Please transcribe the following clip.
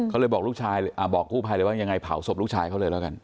เขาเลยบอกลูกชายบอกกู้ภัยเลยว่ายังไงเผาศพลูกชายเขาเลยแล้วกัน